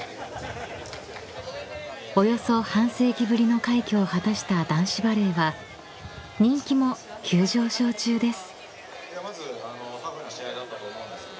［およそ半世紀ぶりの快挙を果たした男子バレーは人気も急上昇中です］